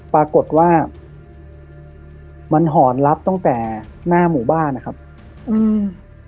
ปรากฏว่ามันหอนรับตั้งแต่หน้าหมู่บ้านนะครับอืม